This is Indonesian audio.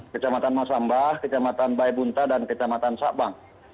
kecamatan masambah kecamatan baibunta dan kecamatan sabang